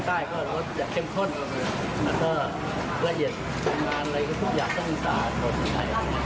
แล้วก็และเหยียดต่างอะไรทุกอย่างต้องสะอาดไข่